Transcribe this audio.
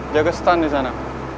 jaga stun di sana